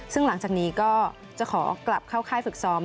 ซึ่งหลังจากนี้ก็จะขอกลับเข้าค่ายฝึกซ้อม